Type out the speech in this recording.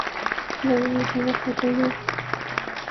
General Musharraf ہوتے ہیں۔